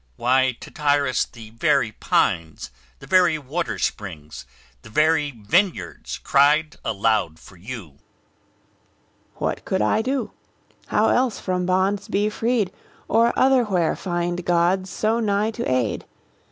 Why, Tityrus, The very pines, the very water springs, The very vineyards, cried aloud for you. TITYRUS What could I do? how else from bonds be freed, Or otherwhere find gods so nigh to aid?